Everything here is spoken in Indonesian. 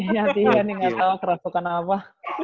nih hati hati nggak tahu keras bukan apa